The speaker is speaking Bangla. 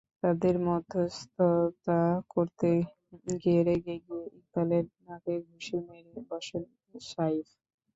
তাঁদের মধ্যস্থতা করতে গিয়ে রেগে গিয়ে ইকবালের নাকে ঘুষি মেরে বসেন সাইফ।